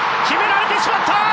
決められてしまった！